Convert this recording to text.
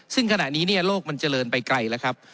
ซึ่งขณะนี้โลกมันเจริญไปไกลแล้วครับ